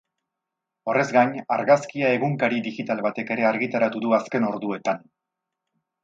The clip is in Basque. Horrez gain, argazkia egunkari digital batek ere argitaratu du azken orduetan.